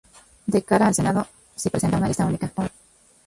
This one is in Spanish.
De cara al Senado sí presenta una lista única.